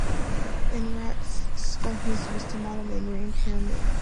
In rats, scopolamine is used to model memory impairment.